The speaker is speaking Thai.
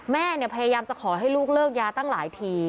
แม่เนี่ยพยายามจะขอให้ลูกเลิกยาตั้งหลายที